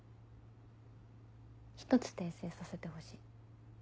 １つ訂正させてほしい。